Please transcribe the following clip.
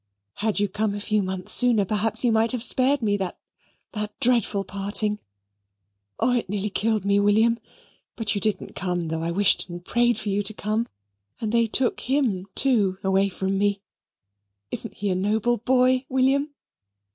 Had you come a few months sooner perhaps you might have spared me that that dreadful parting. Oh, it nearly killed me, William but you didn't come, though I wished and prayed for you to come, and they took him too away from me. Isn't he a noble boy, William?